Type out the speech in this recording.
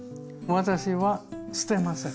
私は捨てません。